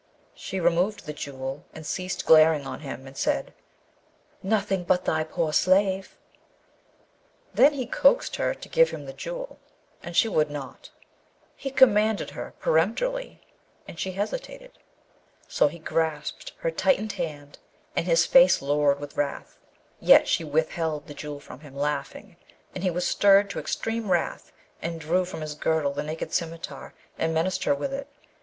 She removed the Jewel, and ceased glaring on him, and said, 'Nothing but thy poor slave!' Then he coaxed her to give him the Jewel, and she would not; he commanded her peremptorily, and she hesitated; so he grasped her tightened hand, and his face loured with wrath; yet she withheld the Jewel from him laughing; and he was stirred to extreme wrath, and drew from his girdle the naked scimitar, and menaced her with it.